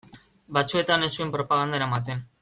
Batzuetan ez zuen propaganda eramaten.